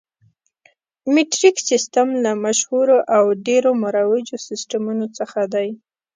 مټریک سیسټم له مشهورو او ډېرو مروجو سیسټمونو څخه دی.